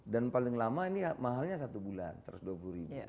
dan paling lama ini mahalnya satu bulan rp satu ratus dua puluh